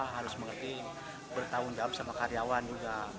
harus mengerti bertahun tahun sama karyawan juga